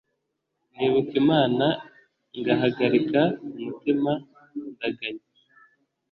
Nibuka Imana ngahagarika umutima Ndaganya